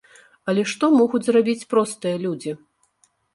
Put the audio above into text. Але што могуць зрабіць простыя людзі?